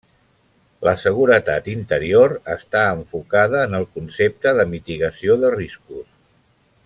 La seguretat interior està enfocada en el concepte de mitigació de riscos.